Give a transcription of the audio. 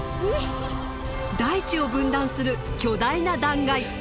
大地を分断する巨大な断崖。